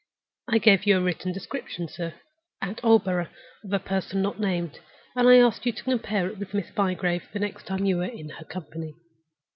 I gave you a written description, sir, at Aldborough, of a person not named, and I asked you to compare it with Miss Bygrave the next time you were in her company.